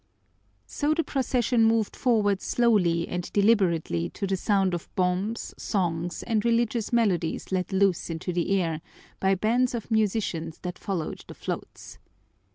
So the procession moved forward slowly and deliberately to the sound of bombs, songs, and religious melodies let loose into the air by bands of musicians that followed the floats.